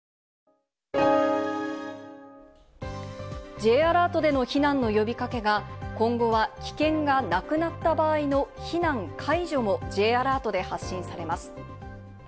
Ｊアラートでの避難の呼びかけが今後は危険がなくなった場合の「避難解除」もＪアラートで発信されます。